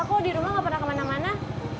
kalo di rumah ga pernah kemana mana